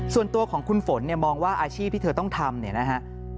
ส่วนตัวของคุณฝนมองว่าอาชีพที่เธอต้องทำ